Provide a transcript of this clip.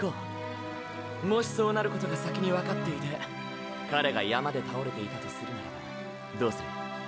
もしそうなることが先に分かっていて彼が山で倒れていたとするならばどうする？